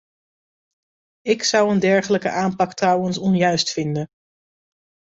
Ik zou een dergelijke aanpak trouwens onjuist vinden.